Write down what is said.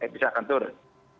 bisa akan turun